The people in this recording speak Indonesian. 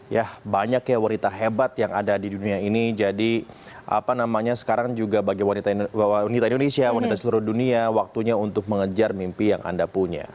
ya banyak ya wanita hebat yang ada di dunia ini jadi apa namanya sekarang juga bagi wanita indonesia wanita seluruh dunia waktunya untuk mengejar mimpi yang anda punya